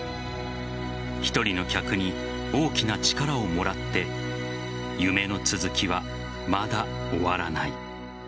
１人の客に大きな力をもらって夢の続きはまだ終わらない。